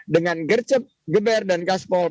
dengan gercep geber dan kaspol